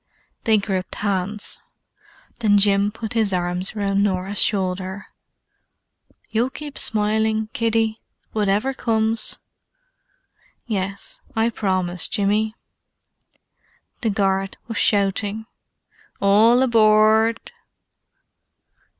They gripped hands. Then Jim put his arms round Norah's shoulder. "You'll keep smiling, kiddie? Whatever comes?" "Yes, I promise, Jimmy." The guard was shouting. "All aboard."